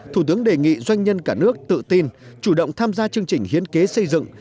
thủ tướng đề nghị doanh nhân cả nước tự tin chủ động tham gia chương trình hiến kế xây dựng